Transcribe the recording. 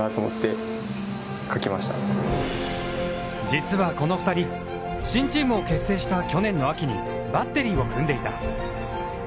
実はこの２人、新チームを結成した去年の秋にバッテリーを組んでいた。